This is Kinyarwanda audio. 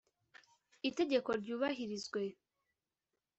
itegeko ryubahirizwe